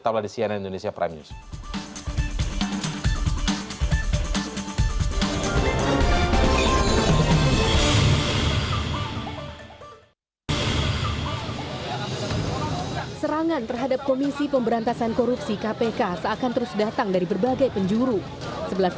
tetaplah di cnn indonesia prime news